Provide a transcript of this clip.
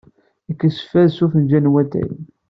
Kkes fad s ufenjal n watay.